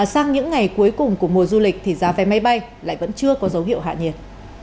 sang những ngày cuối cùng của mùa du lịch thì giá vé máy bay lại vẫn chưa có dấu hiệu hạ nhiệt